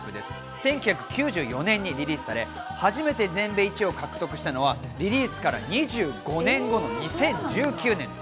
１９９４年にリリースされ、初めて全米１位を獲得したのはリリースから２５年後の２０１９年。